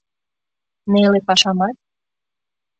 — Неле пашамат?